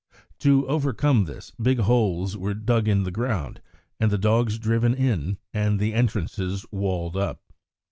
To overcome this, big holes were dug in the ground, and the dogs driven in, and the entrances walled up.